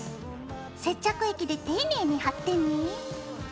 接着液で丁寧に貼ってね。